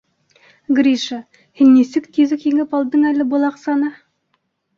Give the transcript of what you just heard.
— Гриша, һин нисек тиҙ үк еңеп алдың әле был аҡсаны?